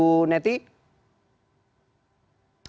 oke kita masih mencoba terhubung dengan ibu neti